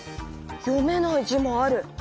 読めない字もある。